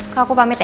bersama pak rendy